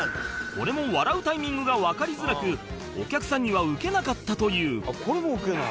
これも笑うタイミングがわかりづらくお客さんにはウケなかったという